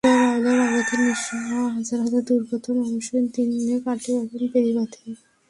ঘূর্ণিঝড় আইলার আঘাতে নিঃস্ব হওয়া হাজার হাজার দুর্গত মানুষের দিন কাটে এখন বেড়িবাঁধে।